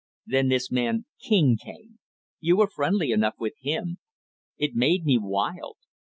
Then this man, King, came. You were friendly enough, with him. It made me wild.